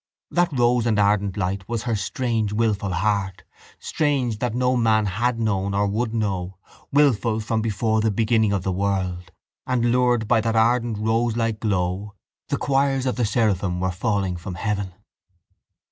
That rose and ardent light was her strange wilful heart, strange that no man had known or would know, wilful from before the beginning of the world; and lured by that ardent roselike glow the choirs of the seraphim were falling from heaven.